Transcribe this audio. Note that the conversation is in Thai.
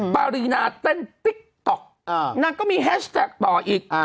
ปารีนาเต้นติ๊กต๊อกนางก็มีแฮชแท็กต่ออีก